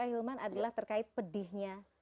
hilman adalah terkait pedihnya